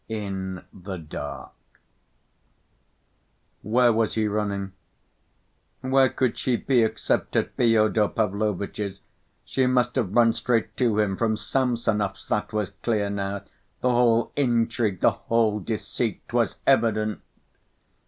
In The Dark Where was he running? "Where could she be except at Fyodor Pavlovitch's? She must have run straight to him from Samsonov's, that was clear now. The whole intrigue, the whole deceit was evident."